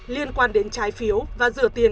liên quan đến trái phiếu và rửa tiền